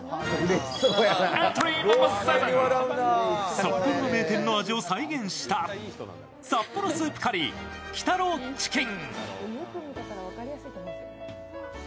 札幌の名店の味を再現した札幌スープカリー木多郎チキン。